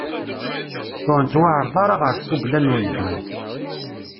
Ur nettwaεreḍ ara ɣer tfugla n uledduy.